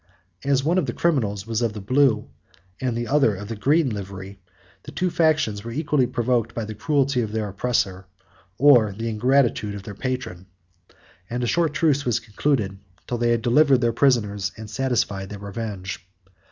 51 As one of these criminals was of the blue, and the other of the green livery, the two factions were equally provoked by the cruelty of their oppressor, or the ingratitude of their patron; and a short truce was concluded till they had delivered their prisoners and satisfied their revenge.